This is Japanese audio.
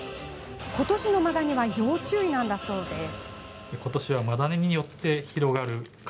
ことしのマダニは要注意なんだそうです。